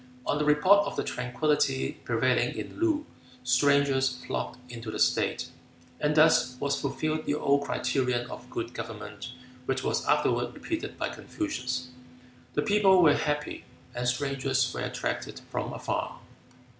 On the report of the tranquillity prevailing in Loo, strangers flocked into the state, and thus was fulfilled the old criterion of good government which was afterward repeated by Confucius, "the people were happy, and strangers were attracted from afar."